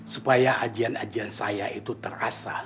supaya ajian ajian saya itu terasa